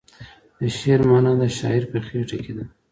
د شعر معنی د شاعر په خیټه کې ده.